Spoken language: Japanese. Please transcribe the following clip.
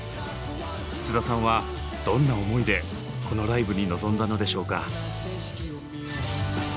菅田さんはどんな思いでこのライブに臨んだのでしょうか？